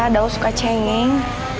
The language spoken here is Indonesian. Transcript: daud suka cengeng